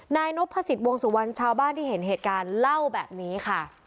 นายนพสิทธิวงสุวรรณชาวบ้านที่เห็นเหตุการณ์เล่าแบบนี้ค่ะ